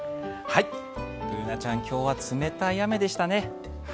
Ｂｏｏｎａちゃん、今日は冷たい雨でしたね。